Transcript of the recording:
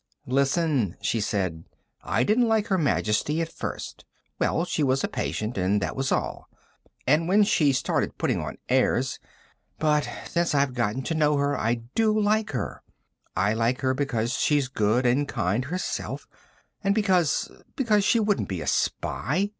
"Listen," she said. "I didn't like Her Majesty at first ... well, she was a patient, and that was all, and when she started putting on airs ... but since I've gotten to know her I do like her. I like her because she's good and kind herself, and because ... because she wouldn't be a spy.